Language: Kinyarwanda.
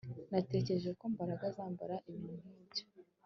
Natekereje ko Mbaraga azambara ibintu nkibyo